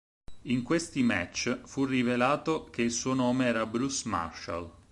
In questi match, fu rivelato che il suo nome era Bruce Marshall.